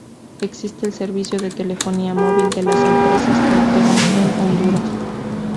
Existe el servicio de telefonía móvil de las empresas que operan en Honduras.